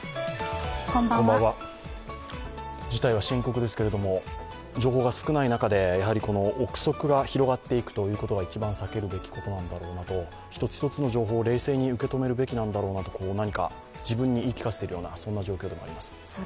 事態は深刻ですけれども、情報が少ない中で、憶測が広がっていくことは一番避けるべきことなのだろうと、１つ１つの情報を冷静に受け止めるべきなんだろうなと何か自分に言い聞かせているような状況でもあります。